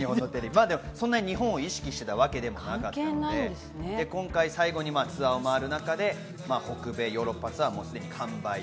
そんなに日本を意識していたわけではなかったので今回、最後にツアーを回る中で、北米・ヨーロッパツアーもすでに完売。